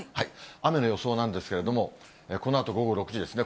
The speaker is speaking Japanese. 雨の予想なんですけれども、このあと午後６時ですね。